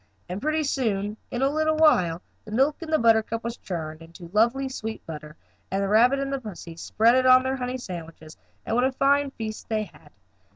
And pretty soon, in a little while, the milk in the buttercup was churned into lovely sweet butter, and the rabbit and pussy spread it on their honey sandwiches, and what a fine feast they had.